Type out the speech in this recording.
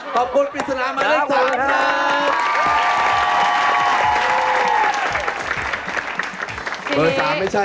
ขอบคุณปริศนามาเลขสันครับ